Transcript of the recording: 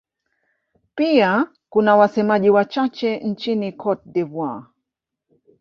Pia kuna wasemaji wachache nchini Cote d'Ivoire.